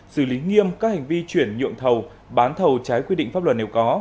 xử lý nghiêm các hành vi chuyển nhượng thầu bán thầu trái quy định pháp luật nếu có